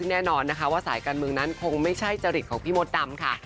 แน่นอนนะคะว่าสายการเมืองนั้นคงไม่ใช่จริตของพี่มดดำค่ะ